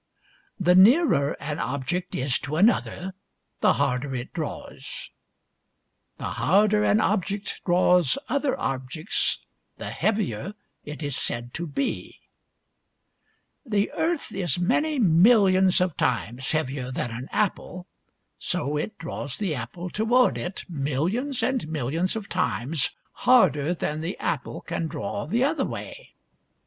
" The nearer an object is to another the harder it draws. " The harder an object draws other objects, the heavier it is said to be, " The earth is many millions of times heavier than an apple ; so it draws the apple toward it mil lions and millions of times harder than the apple can draw the other way.